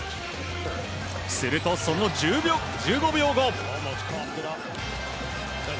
するとその１５秒後。